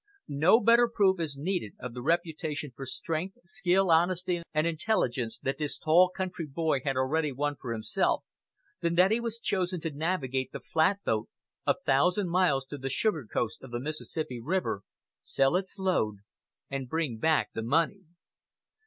No better proof is needed of the reputation for strength, skill, honesty, and intelligence that this tall country boy had already won for himself, than that he was chosen to navigate the flatboat a thousand miles to the "sugar coast" of the Mississippi River, sell its load, and bring back the money.